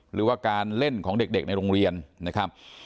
หรือว่าการเล่นของเด็กในโรงเรียนนะครับ